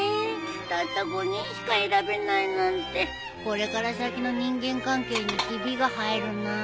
たった５人しか選べないなんてこれから先の人間関係にひびが入るな。